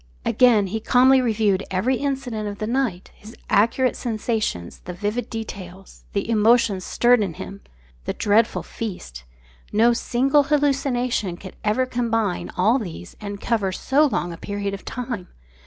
Again he calmly reviewed every incident of the night; his accurate sensations; the vivid details; the emotions stirred in him; the dreadful feast no single hallucination could ever combine all these and cover so long a period of time.